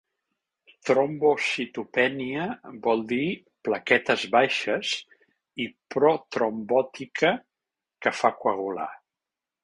“Trombocitopènia” vol dir ‘plaquetes baixes’ i “pro-trombòtica”, ‘que fa coagular’.